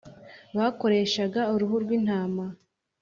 bakoreshaga uruhu rw’intama